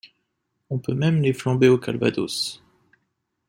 On peut même les flamber au calvados.